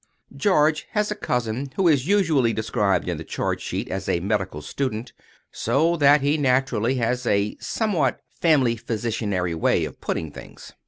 George has a cousin, who is usually described in the charge sheet as a medical student, so that he naturally has a somewhat family physicianary way of putting things.